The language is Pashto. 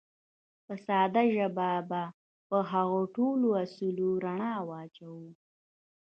په ساده ژبه به په هغو ټولو اصولو رڼا واچوو.